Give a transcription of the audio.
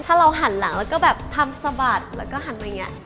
ถ้าเราหันหลังแล้วก็แบบทำสะบัดแล้วก็หันมาอย่างนี้